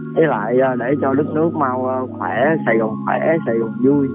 với lại để cho đất nước mau khỏe sài gòn khỏe sài gòn vui